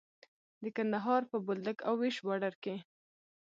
د کندهار په بولدک او ويش باډر کې.